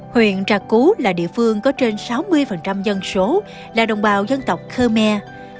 huyện trà cú là địa phương có trên sáu mươi dân số là đồng bào dân tộc khmer